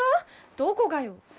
どこがよ？